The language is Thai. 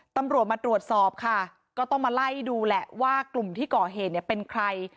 ตำรวจมาตรวจสอบค่ะก็ต้องมาไล่ดูแหละว่ากลุ่มที่ก่อเหตุเนี่ยเป็นใคร